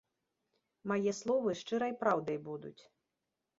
Мае словы шчырай праўдай будуць.